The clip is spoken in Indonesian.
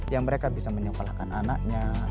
yang mereka bisa menyekolahkan anaknya